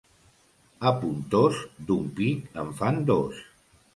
A Pontós d'un pic en fan dos.